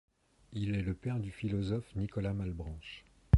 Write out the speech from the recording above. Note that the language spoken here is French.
Il est le père du philosophe Nicolas Malebranche.